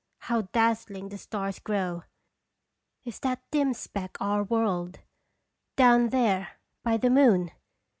How daz zling the stars grow ! Is that dim speck our world down there by the moon?